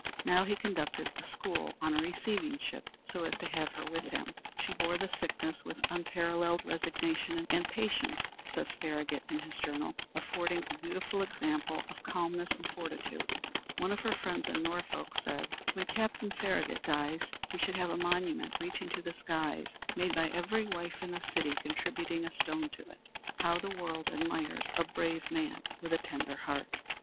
Now he conducted a school on a receiving ship, so as to have her with him. "She bore the sickness with unparalleled resignation and patience," says Farragut in his journal, "affording a beautiful example of calmness and fortitude." One of her friends in Norfolk said, "When Captain Farragut dies, he should have a monument reaching to the skies, made by every wife in the city contributing a stone to it." How the world admires a brave man with a tender heart!